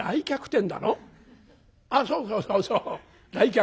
「あっそうそうそうそう来客。